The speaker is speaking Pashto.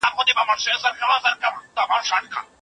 که فکر وي نو پریکړه نه غلطیږي.